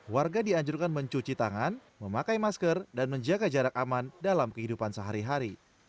warga dianjurkan mencuci tangan memakai masker dan menjaga jarak aman dalam kehidupan sehari hari